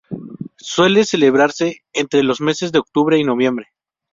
Suele celebrarse entre los meses de octubre y noviembre.